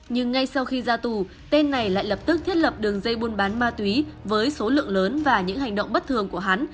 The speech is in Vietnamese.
nhưng ngay sau khi ra tù tên này lại lập tức thiết lập đường dây buôn bán ma túy với số lượng lớn và những hành động bất thường của hắn